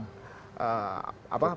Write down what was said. mas anies jubirnya pak